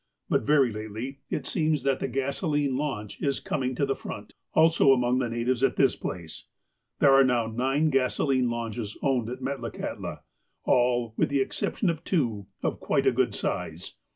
But very lately, it seems, that the gasoline launch is coming to the front, also among the natives at this place. There are now nine gasoline launches owned at Metlakahtla — all, with the ex ception of two, of quite a good size.